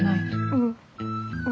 うん。